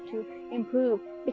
mereka bisa berkembang